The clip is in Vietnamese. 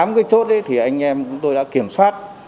tám cái chốt thì anh em chúng tôi đã kiểm soát